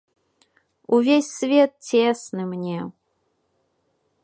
Увесь свет цесны мне.